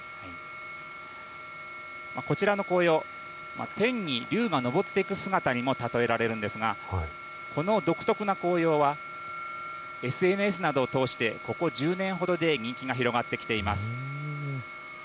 こちらの紅葉天に龍がのぼっていく姿にもたとえられるんですがこの独特な紅葉はＳＮＳなどを通してここ１０年ほどで人気が広がってきています。